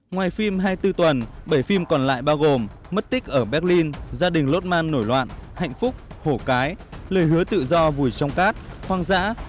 ngoài phim hai mươi bốn tuần bảy phim còn lại bao gồm mất tích ở berlin gia đình lốt man nổi loạn hạnh phúc hổ cái lời hứa tự do vùi trong cát hoang dã